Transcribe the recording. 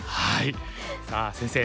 さあ先生